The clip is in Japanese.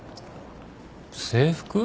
制服？